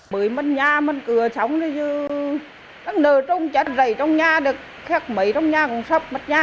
bởi mất nhà mất cửa sống nơi trung chặt dày trong nhà khát mấy trong nhà cũng sắp mất nhà